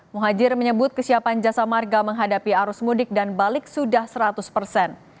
muhajir menyebut kesiapan jasa marga menghadapi arus mudik dan balik sudah seratus persen